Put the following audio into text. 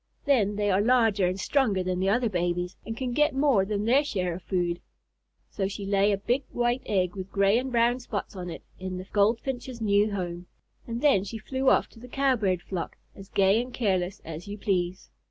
Then they are larger and stronger than the other babies, and can get more than their share of food." So she laid a big white egg with gray and brown spots on it in the Goldfinches' new home, and then she flew off to the Cowbird flock, as gay and careless as you please.